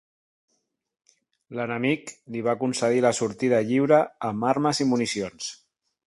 L'enemic li va concedir la sortida lliure amb armes i municions.